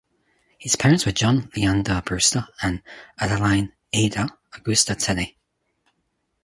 His parents were John Leander Brewster and Adaline "Ada" Augusta Tenney.